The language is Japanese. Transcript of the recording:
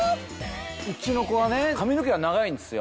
うちの子はね髪の毛が長いんですよ。